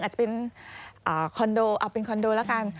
อาจจะเป็นคอนโดเอาเป็นคอนโดแล้วกัน